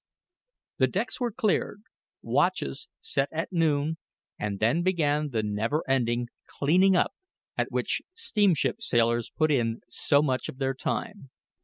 The decks were cleared, watches set at noon, and then began the never ending cleaning up at which steamship sailors put in so much of their time.